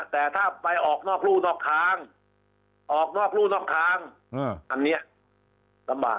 แต่ถ้าไปออกนอกรู่นอกทางออกนอกรู่นอกทางอันนี้ลำบาก